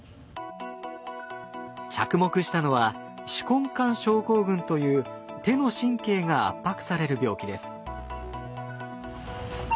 着目したのは手根管症候群という手の神経が圧迫される病気です。